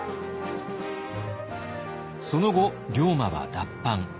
その後龍馬は脱藩。